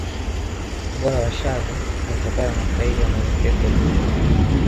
ubora wa xaviu ulitokana na staili ya mwalimu Pep Guardiola